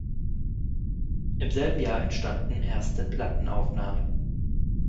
Im selben Jahr entstanden erste Plattenaufnahmen.